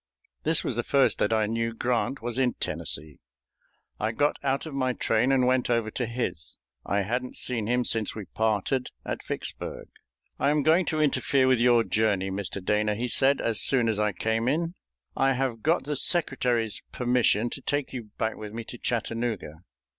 This was the first that I knew Grant was in Tennessee. I got out of my train and went over to his. I hadn't seen him since we parted at Vicksburg. "I am going to interfere with your journey, Mr. Dana," he said as soon as I came in. "I have got the Secretary's permission to take you back with me to Chattanooga.